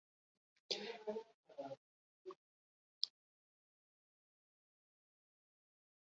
En su vestido puede leerse "Tentador".